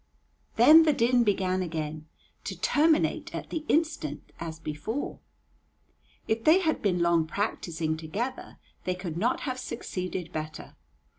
Then the din began again, to terminate at the instant as before. If they had been long practicing together, they could not have succeeded better.